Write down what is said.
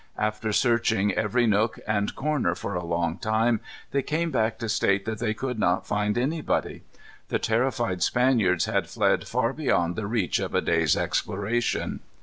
After searching every nook and corner for a long time, they came back to state that they could not find anybody. The terrified Spaniards had fled far beyond the reach of a day's exploration.